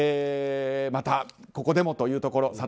またここでもというところ。